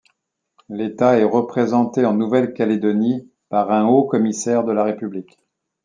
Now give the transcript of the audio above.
L'État est représenté en Nouvelle-Calédonie par un Haut-commissaire de la République.